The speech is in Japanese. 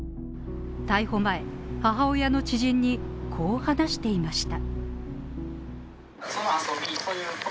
逮捕前、母親の知人にこう話していました。